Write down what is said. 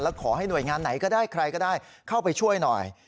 แล้วขอให้หน่วยงานไหนก็ได้ใครก็ได้เข้าไปช่วยหน่อย